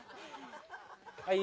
はい。